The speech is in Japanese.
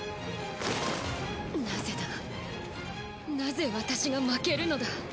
なぜだなぜ私が負けるのだ。